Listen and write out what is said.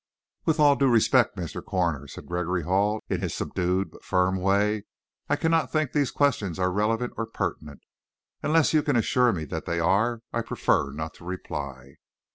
"With all due respect, Mr. Coroner," said Gregory Hall, in his subdued but firm way, "I cannot think these questions are relevant or pertinent. Unless you can assure me that they are, I prefer not to reply."